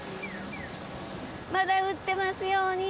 まだ売ってますように！